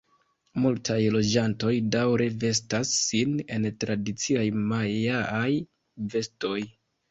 Multaj loĝantoj daŭre vestas sin en tradiciaj majaaj vestoj.